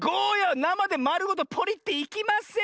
なまでまるごとポリッていきません！